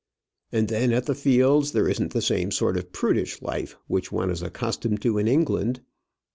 "And then at the Fields there isn't the same sort of prudish life which one is accustomed to in England.